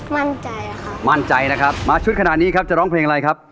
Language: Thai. มั่นใจค่ะมั่นใจนะครับมาชุดขนาดนี้ครับจะร้องเพลงอะไรครับ